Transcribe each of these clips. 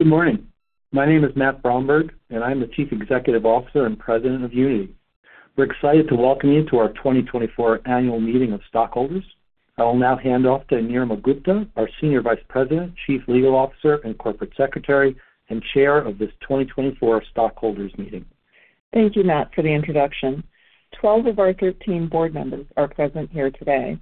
Good morning. My name is Matt Bromberg, and I'm the Chief Executive Officer and President of Unity. We're excited to welcome you to our 2024 Annual Meeting of Stockholders. I will now hand off to Anirma Gupta, our Senior Vice President, Chief Legal Officer, and Corporate Secretary, and Chair of this 2024 Stockholders Meeting. Thank you, Matt, for the introduction. 12 of our 13 board members are present here today.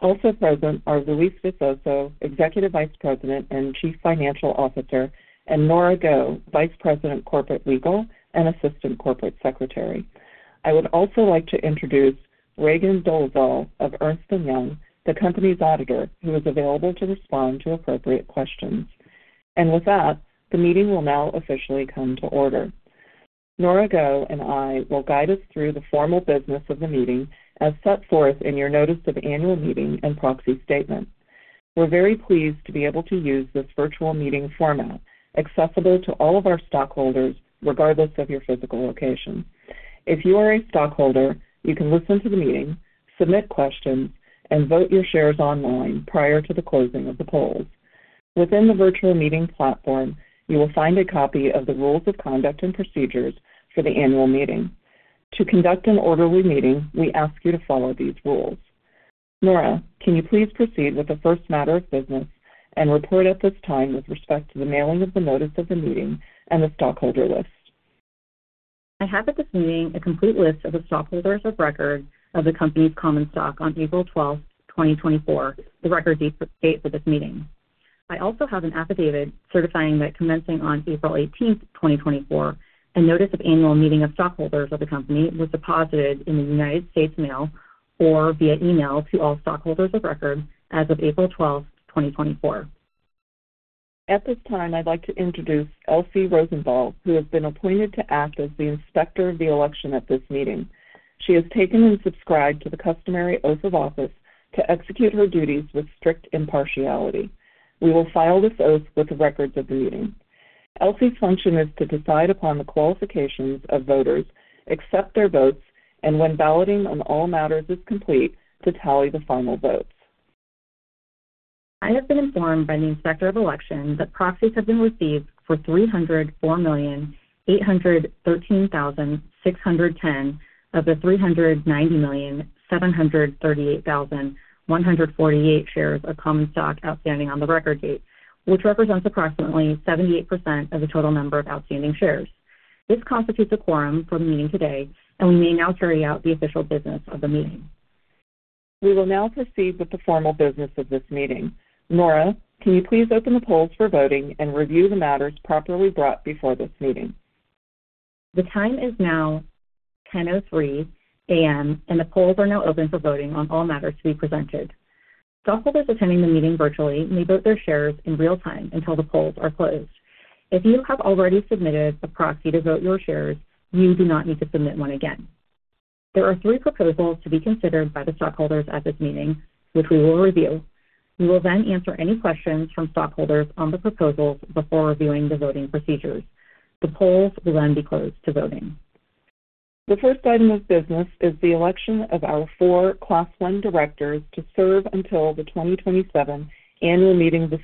Also present are Luis Visoso, Executive Vice President and Chief Financial Officer, and Nora Go, Vice President, Corporate Legal and Assistant Corporate Secretary. I would also like to introduce Regan Dolezal of Ernst & Young, the company's auditor, who is available to respond to appropriate questions. And with that, the meeting will now officially come to order. Nora Go and I will guide us through the formal business of the meeting, as set forth in your notice of annual meeting and proxy statement. We're very pleased to be able to use this virtual meeting format, accessible to all of our stockholders, regardless of your physical location. If you are a stockholder, you can listen to the meeting, submit questions, and vote your shares online prior to the closing of the polls. Within the virtual meeting platform, you will find a copy of the rules of conduct and procedures for the annual meeting. To conduct an orderly meeting, we ask you to follow these rules. Nora, can you please proceed with the first matter of business and report at this time with respect to the mailing of the notice of the meeting and the stockholder list? I have at this meeting a complete list of the stockholders of record of the company's common stock on April 12, 2024, the record date for this meeting. I also have an affidavit certifying that commencing on April 18, 2024, a notice of annual meeting of stockholders of the company was deposited in the United States Mail or via email to all stockholders of record as of April 12, 2024. At this time, I'd like to introduce Althea Rosenthal, who has been appointed to act as the Inspector of Election at this meeting. She has taken and subscribed to the customary oath of office to execute her duties with strict impartiality. We will file this oath with the records of the meeting. Althea's function is to decide upon the qualifications of voters, accept their votes, and when balloting on all matters is complete, to tally the final votes. I have been informed by the Inspector of Election that proxies have been received for 304,813,610 of the 390,738,148 shares of common stock outstanding on the record date, which represents approximately 78% of the total number of outstanding shares. This constitutes a quorum for the meeting today, and we may now carry out the official business of the meeting. We will now proceed with the formal business of this meeting. Nora, can you please open the polls for voting and review the matters properly brought before this meeting? The time is now 10:03 A.M., and the polls are now open for voting on all matters to be presented. Stockholders attending the meeting virtually may vote their shares in real time until the polls are closed. If you have already submitted a proxy to vote your shares, you do not need to submit one again. There are three proposals to be considered by the stockholders at this meeting, which we will review. We will then answer any questions from stockholders on the proposals before reviewing the voting procedures. The polls will then be closed to voting. The first item of business is the election of our four Class I directors to serve until the 2027 annual meeting of the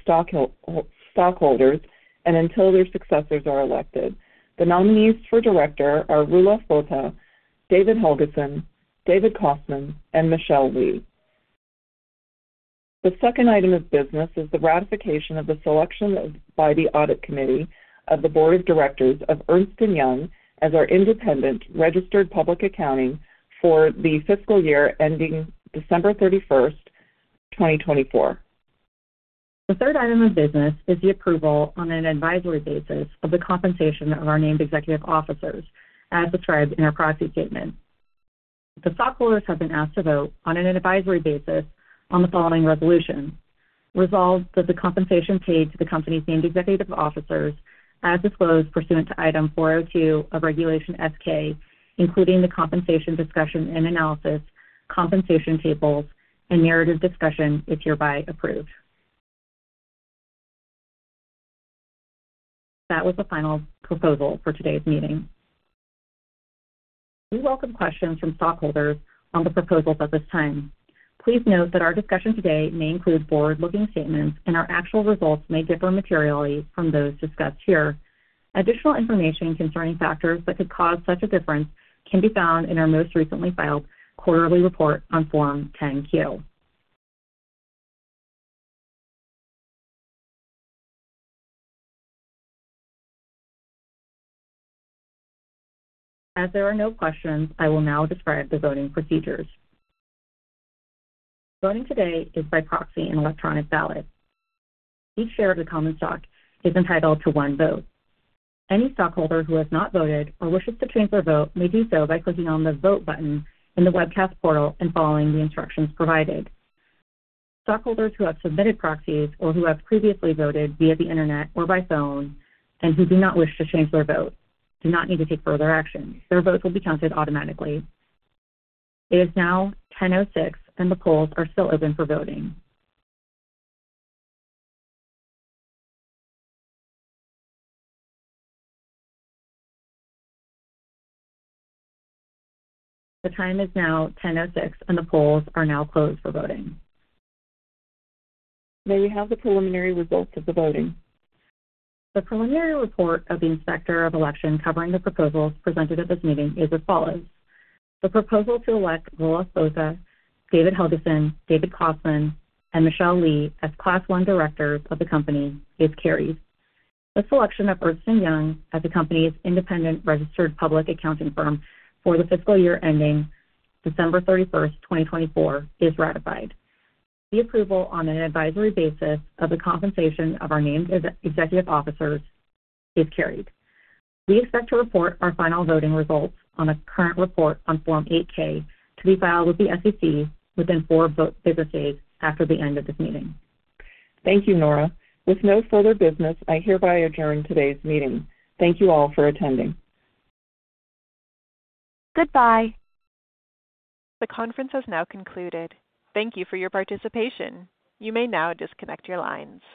stockholders and until their successors are elected. The nominees for director are Roelof Botha, David Helgason, David Kostman, and Michelle K. Lee. The second item of business is the ratification of the selection by the Audit Committee of the Board of Directors of Ernst & Young as our independent registered public accounting firm for the fiscal year ending December 31st, 2024. The third item of business is the approval on an advisory basis of the compensation of our named executive officers, as described in our proxy statement. The stockholders have been asked to vote on an advisory basis on the following resolution. Resolved that the compensation paid to the company's named executive officers, as disclosed pursuant to Item 402 of Regulation S-K, including the compensation discussion and analysis, compensation tables, and narrative discussion, is hereby approved. That was the final proposal for today's meeting. We welcome questions from stockholders on the proposals at this time. Please note that our discussion today may include forward-looking statements, and our actual results may differ materially from those discussed here. Additional information concerning factors that could cause such a difference can be found in our most recently filed quarterly report on Form 10-Q. As there are no questions, I will now describe the voting procedures. Voting today is by proxy and electronic ballot. Each share of the common stock is entitled to one vote. Any stockholder who has not voted or wishes to change their vote may do so by clicking on the vote button in the webcast portal and following the instructions provided. Stockholders who have submitted proxies or who have previously voted via the Internet or by phone and who do not wish to change their vote do not need to take further action. Their votes will be counted automatically. It is now 10:06 A.M., and the polls are still open for voting. The time is now 10:06 A.M., and the polls are now closed for voting. May we have the preliminary results of the voting? The preliminary report of the Inspector of Election covering the proposals presented at this meeting is as follows: The proposal to elect Roelof Botha, David Helgason, David Kostman, and Michelle K. Lee as Class I directors of the company is carried. The selection of Ernst & Young as the company's independent registered public accounting firm for the fiscal year ending December 31, 2024, is ratified. The approval on an advisory basis of the compensation of our named executive officers is carried. We expect to report our final voting results on a current report on Form 8-K, to be filed with the SEC within four business days after the end of this meeting. Thank you, Nora. With no further business, I hereby adjourn today's meeting. Thank you all for attending. Goodbye. The conference has now concluded. Thank you for your participation. You may now disconnect your lines.